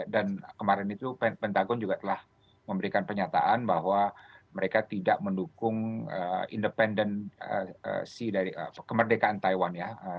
dan kemarin itu pentagon juga telah memberikan penyataan bahwa mereka tidak mendukung kemerdekaan taiwan